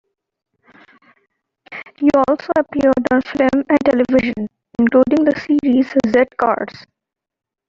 He also appeared on film and television, including the series "Z Cars".